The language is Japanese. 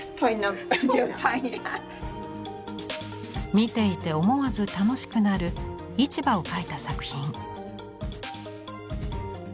見ていて思わず楽しくなる「市場」を描いた作品。